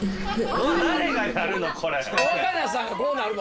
誰がやるの？